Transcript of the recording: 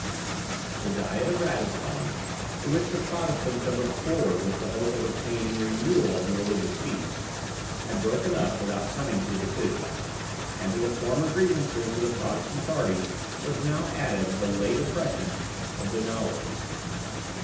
The Diet of Ratisbon, to which the Protestants had looked forward with the hope of obtaining a renewal of the Religious Peace, had broken up without coming to a decision, and to the former grievances of the Protestant party was now added the late oppression of Donauwerth.